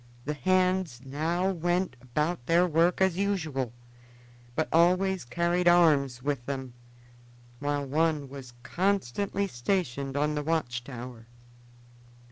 The hands now went about their work as usual, but always carried arms with them, while one was constantly stationed on the watch tower.